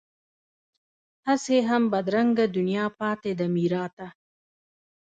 هسې هم بدرنګه دنیا پاتې ده میراته